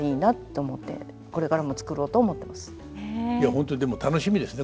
本当にでも楽しみですね